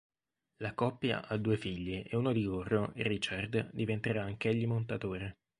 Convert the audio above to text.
La coppia ha due figli e uno di loro, Richard, diventerà anch'egli montatore.